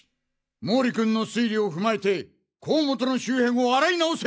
毛利君の推理をふまえて甲本の周辺を洗い直せ！